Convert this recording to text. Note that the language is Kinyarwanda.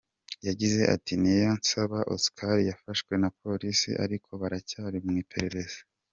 Yagize ati “Niyonsaba Oscar yafashwe na polisi, ariko baracyari mu iperereza.